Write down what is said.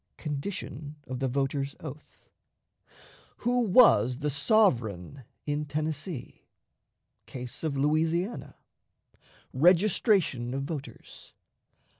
Condition of the Voter's Oath. Who was the Sovereign in Tennessee? Case of Louisiana. Registration of Voters.